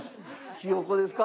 ヒヨコですか？